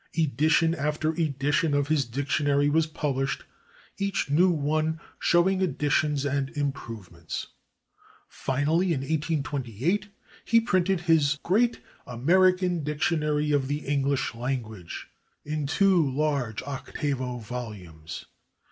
Edition after edition of his dictionary was published, [Pg250] each new one showing additions and improvements. Finally, in 1828, he printed his great "/American/ Dictionary of the English Language," in two large octavo volumes.